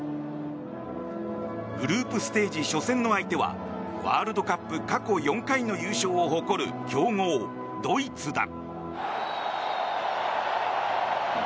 グループステージ初戦の相手はワールドカップ過去４回の優勝を誇る強豪ドイツだ。